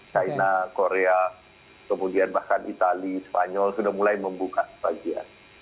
china korea kemudian bahkan itali spanyol sudah mulai membuka sebagian